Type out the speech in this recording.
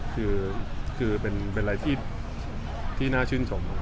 คือเป็นอะไรที่น่าชื่นชม